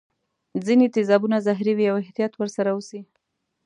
ځیني تیزابونه زهري وي او احتیاط ور سره وشي.